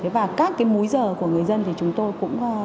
và các cái múi giờ của người dân thì chúng tôi cũng đều rất là linh hoạt